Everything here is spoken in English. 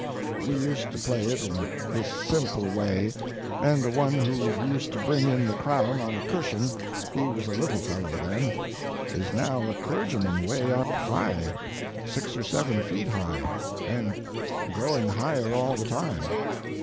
We used to play it in this simple way, and the one who used to bring in the crown on a cushion—he was a little fellow then—is now a clergyman way up high—six or seven feet high—and growing higher all the time.